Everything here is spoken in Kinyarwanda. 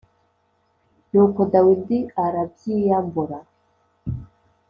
Nuko Dawidi arabyiyambura.